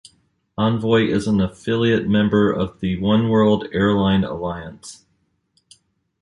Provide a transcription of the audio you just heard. Envoy is an affiliate member of the Oneworld airline alliance.